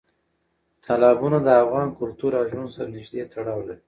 تالابونه د افغان کلتور او ژوند سره نږدې تړاو لري.